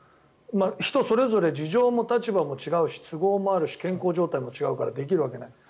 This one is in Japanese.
人それぞれ事情も立場も違うし都合も違うし健康状態も違うからできるわけない。